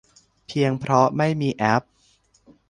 เพียงเพราะไม่มีแอป